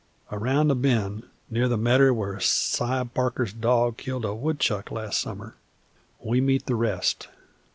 Around the bend near the medder where Si Barker's dog killed a woodchuck last summer we meet the rest.